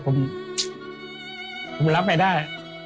ผมรับไม่ได้